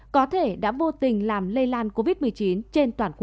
có thể đã vô tình